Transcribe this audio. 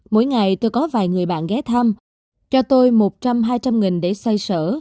mỗi ngày tôi có vài người bạn ghé thăm cho tôi một trăm linh hai trăm linh nghìn để xoay sở